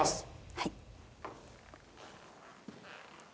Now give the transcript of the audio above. はい。